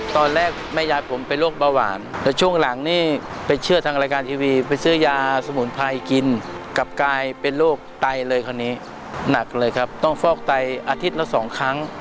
ตอนแรกแม่ยายผมเป็นโรคเบาหวานแต่ช่วงหลังนี่ไปเชื่อทางรายการทีวีไปซื้อยาสมุนไพรกินกลับกลายเป็นโรคไตเลยคราวนี้หนักเลยครับต้องฟอกไตอาทิตย์ละสองครั้ง